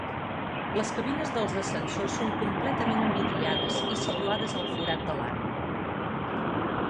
Les cabines dels ascensors són completament envidriades i situades al forat de l'Arc.